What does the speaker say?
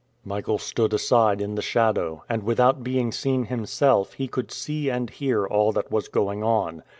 Michael stood aside in the shadow, and without being seen himself he could see and hear all that was going on.